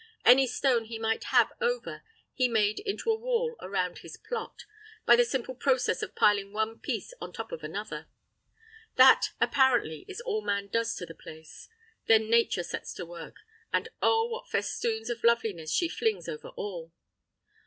Any stone he might have over he made into a wall around his plot, by the simple process of piling one piece on top of another. That, apparently, is all man does to the place. Then Nature sets to work; and, oh, what festoons of loveliness she flings over all!